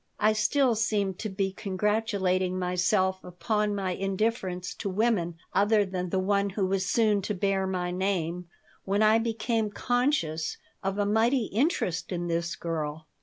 I still seemed to be congratulating myself upon my indifference to women other than the one who was soon to bear my name, when I became conscious of a mighty interest in this girl.